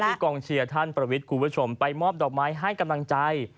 กองเชียร์ท่านประวิทย์คุณผู้ชมไปมอบดอกไม้ให้กำลังใจ